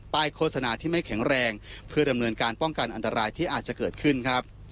โฆษณาที่ไม่แข็งแรงเพื่อดำเนินการป้องกันอันตรายที่อาจจะเกิดขึ้นครับ